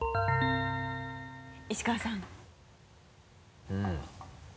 石川さん。